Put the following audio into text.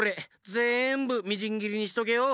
ぜんぶみじんぎりにしとけよ！